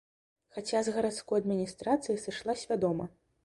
Хаця з гарадской адміністрацыі сышла свядома.